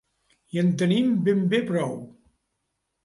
I en tenim ben bé prou.